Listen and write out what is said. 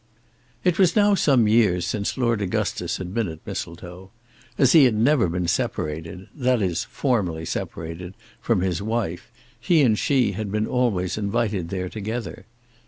It was now some years since Lord Augustus had been at Mistletoe. As he had never been separated, that is formally separated, from his wife he and she had been always invited there together.